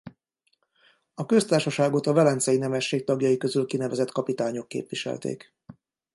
A köztársaságot a velencei nemesség tagjai közül kinevezett kapitányok képviselték.